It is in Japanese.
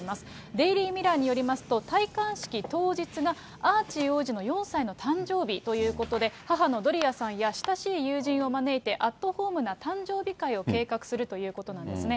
デイリー・ミラーによりますと、戴冠式当日が、アーチー王子の４歳の誕生日ということで、母のドリアさんや親しい友人を招いて、アットホームな誕生日会を計画するということなんですね。